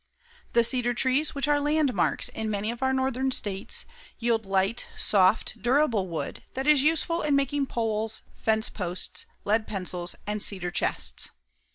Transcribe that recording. The cedar trees, which are landmarks in many of our northern states, yield light, soft, durable wood that is useful in making poles, fence posts, lead pencils and cedar chests.